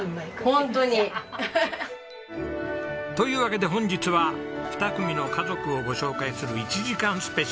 ホントに。というわけで本日は２組の家族をご紹介する１時間スペシャル。